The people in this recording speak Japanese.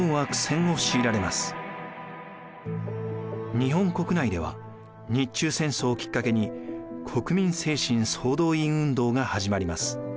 日本国内では日中戦争をきっかけに国民精神総動員運動が始まります。